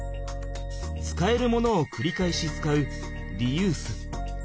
使えるものをくり返し使うリユース。